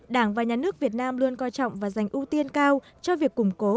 đảng và nhà nước việt nam luôn coi trọng và dành ưu tiên cao cho việc củng cố